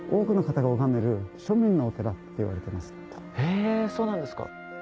へぇそうなんですか。